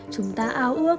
chúng ta ao ước